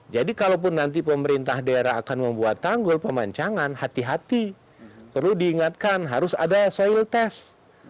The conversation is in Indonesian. jadi kalau pun nanti pemerintah daerah akan membuat tanggul pemancangan hati hati perlu diingatkan harus ada soil test